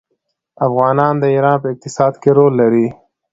افغانان د ایران په اقتصاد کې رول لري.